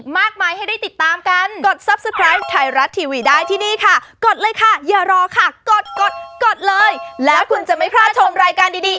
ไปแทบจะทุกวันที่มีโอกาสเลย